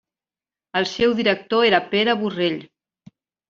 El seu director era Pere Borrell.